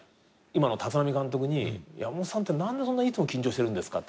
今の立浪監督に「山本さんって何でそんないつも緊張してるんですか？